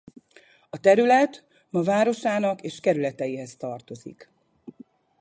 A terület ma városának és kerületeihez tartozik.